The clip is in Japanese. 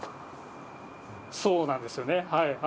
そうなんですよね。